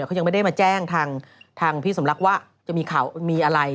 เขายังไม่ได้มาแจ้งทางพี่สมรักษณ์ว่าจะมีอะไร